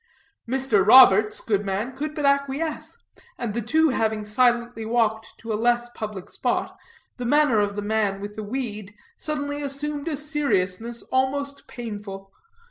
Mr. Roberts, good man, could but acquiesce, and the two having silently walked to a less public spot, the manner of the man with the weed suddenly assumed a seriousness almost painful.